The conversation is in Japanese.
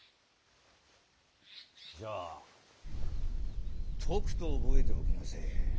じゃあとくと覚えておきなせえ。